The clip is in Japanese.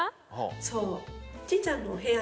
そう。